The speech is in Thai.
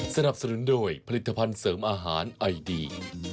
สนับสนุนโดยผลิตภัณฑ์เสริมอาหารไอดี